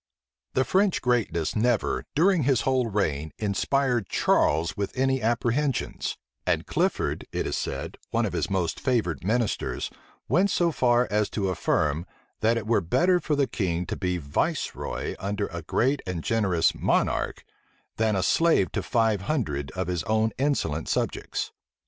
{1685.} The French greatness never, during his whole reign, inspired Charles with any apprehensions; and Clifford, it is said, one of his most favored ministers, went so far as to affirm, that it were better for the king to be viceroy under a great and generous monarch, than a slave to five hundred of his own insolent subjects.